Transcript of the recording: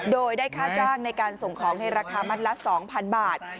โดยได้ค่าจ้างในการส่งของในราคามัดละ๒๐๐๐บาท